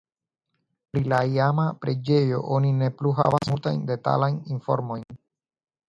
Pri la iama preĝejo oni ne plu havas multajn detalajn informojn.